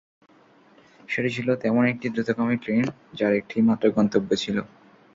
সেটি ছিল তেমন একটি দ্রুতগামী ট্রেন, যার একটিই মাত্র গন্তব্য ছিল।